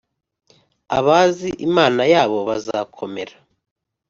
Abazi imana yabo bazakomera